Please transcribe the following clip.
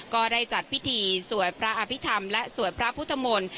ก็ได้จัดพิธีสวดพระอภิษฐรรมและสวดพระพุทธมนตร์